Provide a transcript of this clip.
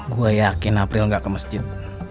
gua yakin april gak ke masjid